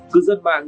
cư dân mạng